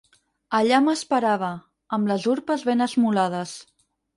Allà m'esperava, amb les urpes ben esmolades.